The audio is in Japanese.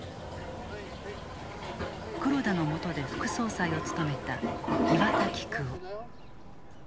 黒田のもとで副総裁を務めた岩田規久男。